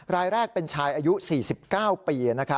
รายแรกเป็นชายอายุ๔๙ปี